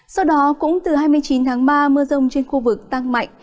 sau đó cũng từ hai mươi chín tháng ba mưa rông trên khu vực